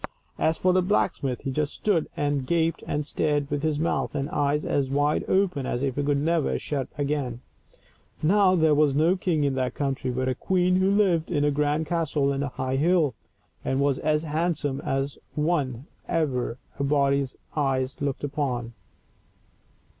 As for the blacksmith, he just stood and gaped and stared, with his mouth and eyes as wide open as if they never would shut again. Now there was no king in that country, but a queen who lived in a grand castle on a high hill, and was as handsome a one as ever a body's eyes looked upon.